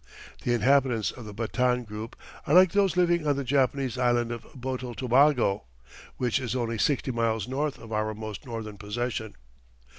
The inhabitants of the Batan group are like those living on the Japanese island of Botel Tobago, which is only sixty miles north of our most northern possession.